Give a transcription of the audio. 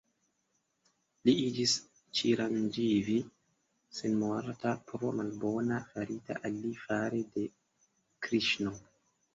Li iĝis "Ĉiranĝivi" (senmorta) pro malbeno farita al li fare de Kriŝno.